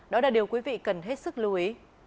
điều quý vị cần hết sức lưu ý